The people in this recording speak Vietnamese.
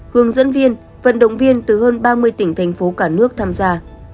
hướng dẫn viên vận động viên từ hơn ba mươi tỉnh thành phố cả nước tham gia